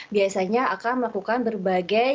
biasanya akan melakukan berbagai